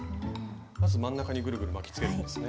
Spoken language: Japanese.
まず真ん中にぐるぐる巻きつけるんですね。